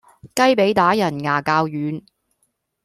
雞脾打人牙較軟